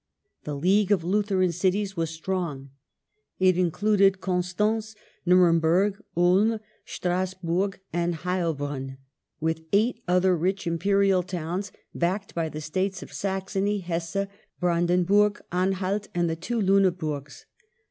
The league of Lutheran cities was strong. It included Constance, Nuremberg, Ulm, Strasburg, and Heilbronn, with eight other rich Imperial towns, backed by the States of Saxony, Hesse, Brandenburg, Anhalt, and the two Luneburgs.